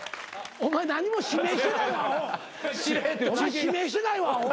お前指名してないわアホ。